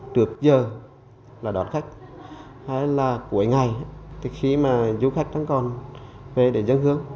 trước giờ là đón khách hay là cuối ngày thì khi mà du khách đang còn về để dân hương